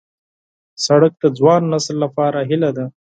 سړک د ځوان نسل لپاره هیله ده.